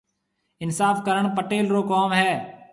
اِنصاف ڪرڻ پيٽل رو ڪوم هيَ۔